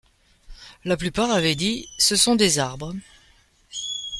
La plupart avaient dit : Ce sont des arbres.